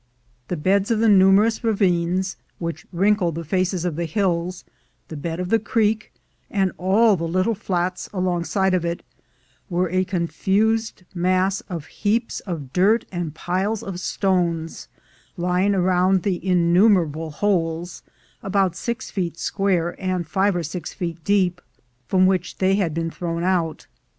The beds of the numerous ravines which wrinkle the j' faces of the hills, the bed of the creek, and all the 'I little flats alongside of It, were a confused mass of I heaps of dirt and piles of stones lying around the ( innumerable holes, about six feet square and five or six feet deep, from which they had been thrown out.